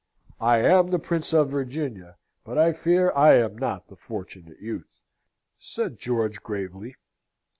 "I am the Prince of Virginia, but I fear I am not the Fortunate Youth," said George, gravely.